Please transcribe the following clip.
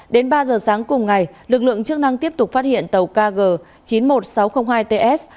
đến ba giờ sáng cùng ngày lực lượng chức năng tiếp tục phát hiện tàu kg chín mươi một nghìn sáu trăm linh hai ts